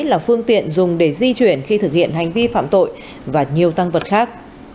là phương tiện dùng để di chuyển khi thực hiện hành vi phạm tội và nhiều tăng vật khác